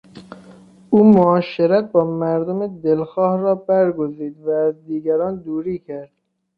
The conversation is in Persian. او معاشرت با مردم دلخواه را برگزید و از دیگران دوری کرد.